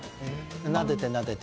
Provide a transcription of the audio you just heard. なでてなでて！